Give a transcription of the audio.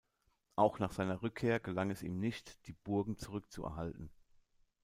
Auch nach seiner Rückkehr gelang es ihm nicht, die Burgen zurückzuerhalten.